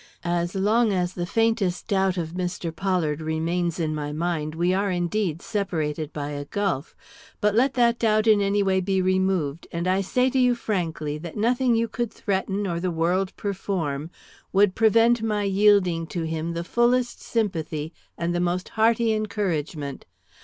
As long as the faintest doubt of Mr. Pollard remains in my mind we are indeed separated by a gulf. But let that doubt in any way be removed, and I say to you frankly that nothing you could threaten or the world perform, would prevent my yielding to him the fullest sympathy and the most hearty encouragement.